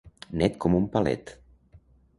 Net com un palet.